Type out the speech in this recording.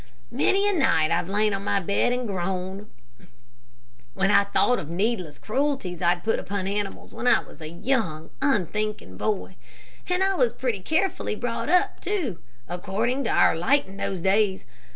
"Many a night I've lain on my bed and groaned, when I thought of needless cruelties I'd put upon animals when I was a young, unthinking boy and I was pretty carefully brought up, too, according to our light in those days.